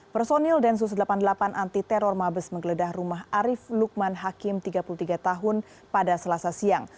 personil densus delapan puluh delapan anti teror mabes menggeledah rumah arief lukman hakim tiga puluh tiga tahun pada selasa siang